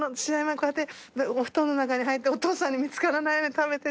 前こうやってお布団の中に入ってお父さんに見つからないように食べてて。